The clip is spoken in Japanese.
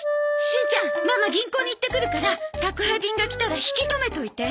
しんちゃんママ銀行に行ってくるから宅配便が来たら引き留めといて。